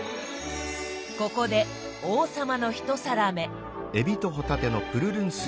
ここで王様の１皿目。